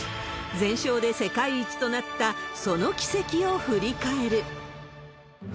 全勝で世界一となったその軌跡を振り返る。